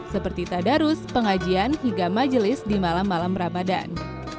seperti tadarus pengajian hingga majelis di malam malam ramadan